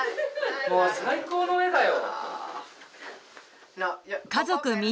もう最高の画だよ。